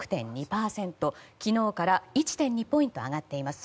昨日から１．２ポイント上がっています。